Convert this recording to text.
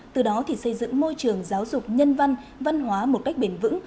từ đó thì xây dựng môi trường giáo dục nhân văn văn hóa một cách bền vững